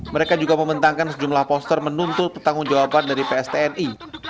mereka juga membentangkan sejumlah poster menuntut pertanggung jawaban dari pstni